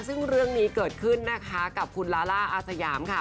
ซึ่งเรื่องนี้เกิดขึ้นนะคะกับคุณลาล่าอาสยามค่ะ